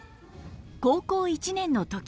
高校１年の時。